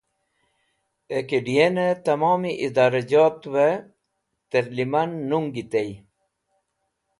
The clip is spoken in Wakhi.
AKDN e Tamomi Iorajotve Terliman nung tey